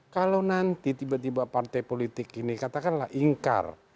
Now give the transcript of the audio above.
kalau nanti tiba tiba partai politik ini katakanlah ingkar